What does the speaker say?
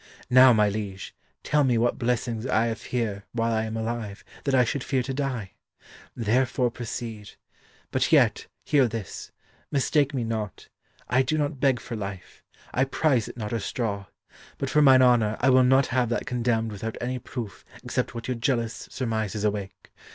Now, my liege, tell me what blessings I have here while I am alive, that I should fear to die? Therefore proceed. But yet, hear this: mistake me not, I do not beg for life; I prize it not a straw. But for mine honour, I will not have that condemned without any proof except what your jealous surmises awake.